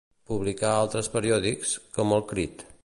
Publicà altres periòdics, com El Crit.